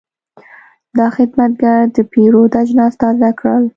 دا خدمتګر د پیرود اجناس تازه کړل.